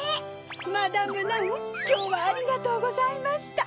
マダム・ナンきょうはありがとうございました。